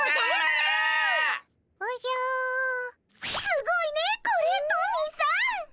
すごいねこれトミーさん。